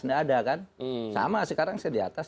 tidak ada kan sama sekarang saya di atas